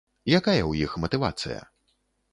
Якая ў іх матывацыя?